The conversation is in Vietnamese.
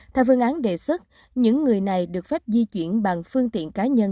theo phương án đề xuất những người này được phép di chuyển bằng phương tiện cá nhân